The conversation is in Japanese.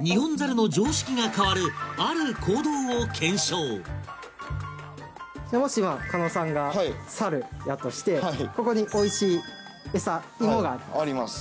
ニホンザルの常識が変わる行動を検証じゃあもし今狩野さんがはいサルだとしてここにおいしいはいエサイモがありますあります